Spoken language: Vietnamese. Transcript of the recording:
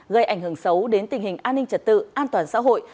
gây ảnh hưởng xấu đến tình hình an ninh trật tự an toàn xã hội